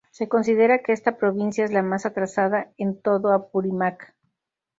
Se considera que esta provincia es la más atrasada en todo Apurímac.